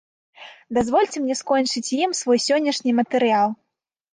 Дазвольце мне скончыць ім свой сённяшні матэрыял.